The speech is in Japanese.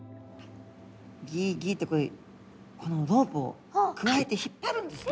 ギギってこのロープをくわえて引っ張るんですね。